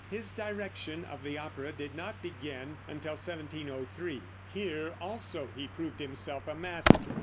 His direction of the opera did not begin until 1703; here also he proved himself a master.